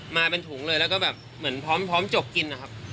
มาไปบนถุงเลยและพร้อมจบกิน